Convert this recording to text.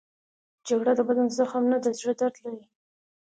جګړه د بدن زخم نه، د زړه درد دی